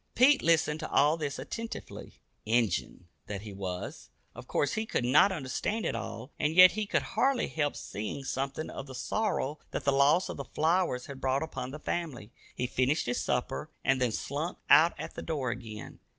Pete listened to all this attentively. "Injun" that he was, of course he could not understand it all, and yet he could hardly help seeing something of the sorrow that the loss of the flowers had brought upon the family. He finished his supper, and then slunk out at the door again.